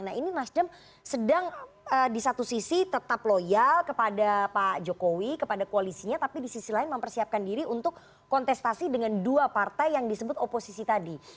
nah ini nasdem sedang di satu sisi tetap loyal kepada pak jokowi kepada koalisinya tapi di sisi lain mempersiapkan diri untuk kontestasi dengan dua partai yang disebut oposisi tadi